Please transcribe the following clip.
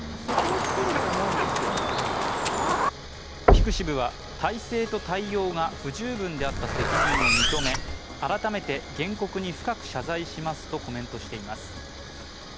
ピクシブは、体制と対応が不十分であった責任を認め改めて原告に深く謝罪しますとコメントしています。